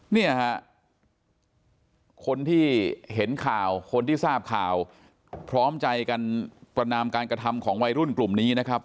เนี่ยฮะคนที่เห็นข่าวคนที่ทราบข่าวพร้อมใจกันประนามการกระทำของวัยรุ่นกลุ่มนี้นะครับ